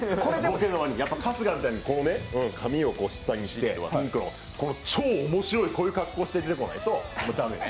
春日みたいに髪をこうしてこの超面白いこういう格好して出てこないと駄目ね。